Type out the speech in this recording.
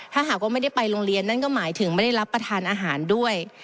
ถ้าหากว่าไม่ได้ไปโรงเรียนนั่นก็หมายถึงไม่ได้รับประทานอาหารด้วย